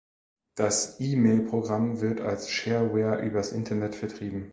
Das E-Mail-Programm wird als Shareware übers Internet vertrieben.